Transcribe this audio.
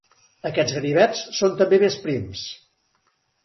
Aquests ganivets són també més prims.